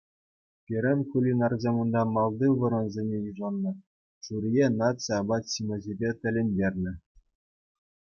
Пирӗн кулинарсем унта малти вырӑнсене йышӑннӑ, жюрие наци апат-ҫимӗҫӗпе тӗлӗнтернӗ.